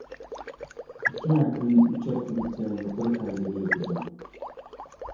ئىككى ھەپتىدىن ئۈچ ھەپتىگىچە يۇقىرى پەللىگە يېتىدۇ.